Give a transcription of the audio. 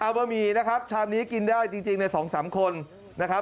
บะหมี่นะครับชามนี้กินได้จริงใน๒๓คนนะครับ